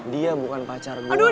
dia bukan pacar gue